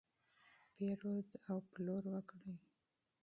پیرود او پلور وکړئ.